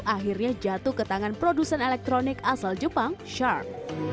akhirnya jatuh ke tangan produsen elektronik asal jepang sharp